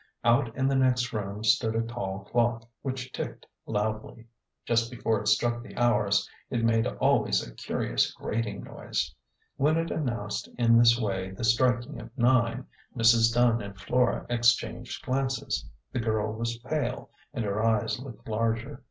Out in the next room stood a tall clock, which ticked loudly ; just before it struck the hours it made always a curious grating noise. When it announced in this way the striking of nine, Mrs. Dunn and Flora exchanged glances ; the girl was pale, and her eyes looked larger.